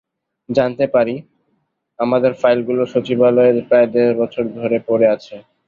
জানতে পারি, আমাদের ফাইলগুলো সচিবালয়ে প্রায় দেড় বছর ধরে পড়ে আছে।